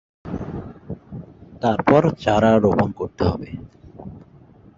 তারপর চারা রোপণ করতে হবে।